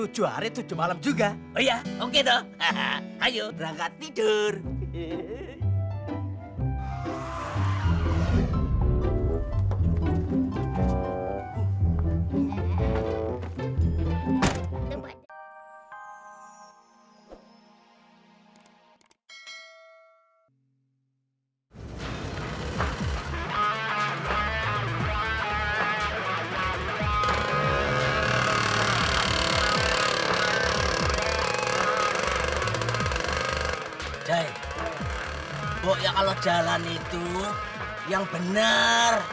jai pokoknya kalau jalan itu yang benar